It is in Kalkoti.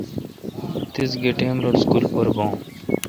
تیس گہ ٹیم رل اسکول پر بان